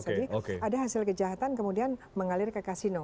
jadi ada hasil kejahatan kemudian mengalir ke kasino